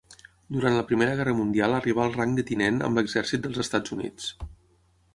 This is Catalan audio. Durant la Primera Guerra Mundial arribà al rang de tinent amb l'exèrcit dels Estats Units.